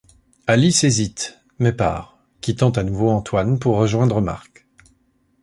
Alice hésite mais part, quittant à nouveau Antoine pour rejoindre Marc.